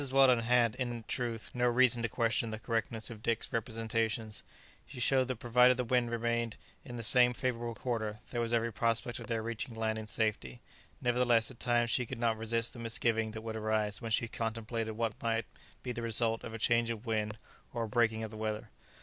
Weldon had, in truth, no reason to question the correctness of Dick's representations; she owned that provided the wind remained in the same favourable quarter, there was every prospect of their reaching land in safety; nevertheless at times she could not resist the misgiving that would arise when she contemplated what might be the result of a change of wind or a breaking of the weather.